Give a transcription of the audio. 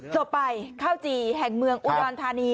สุดไปข้าวจีนแห่งเมืองอุดวันธานี